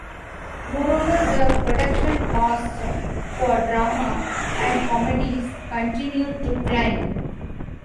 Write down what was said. Moreover, the production costs for drama and comedies continued to climb.